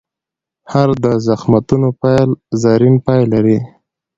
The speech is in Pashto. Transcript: هر د زخمتونو پیل، زرین پای لري.